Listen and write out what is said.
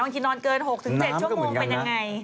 กินนอนเกิน๖๗ชั่วโมงเป็นยังไง